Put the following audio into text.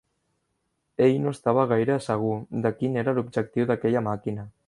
Ell no estava gaire segur de quin era l'objectiu d'aquella màquina.